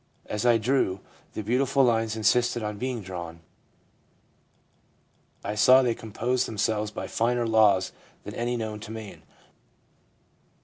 As I drew, the beautiful lines insisted on being drawn. I saw they composed themselves by finer laws than any known to man.